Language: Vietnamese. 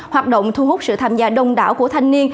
hoạt động thu hút sự tham gia đông đảo của thanh niên